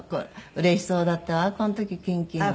うれしそうだったわこの時キンキンは。